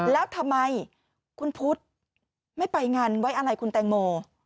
แล้วทำไมคุณพุทธไม่ไปงานไว้อะไรคุณแตงโม